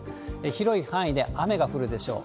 広い範囲で雨が降るでしょう。